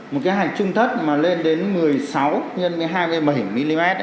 một cái hạch trưng thất mà lên đến một mươi sáu x hai mươi bảy mm